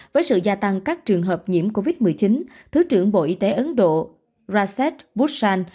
với sự gia tăng các trường hợp nhiễm covid một mươi chín thứ trưởng bộ y tế ấn độ raset bushan